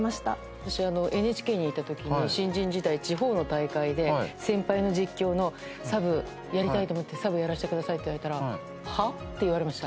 私ＮＨＫにいた時に新人時代地方の大会で先輩の実況のサブやりたいと思ってサブやらせてくださいって言ったらは？って言われました。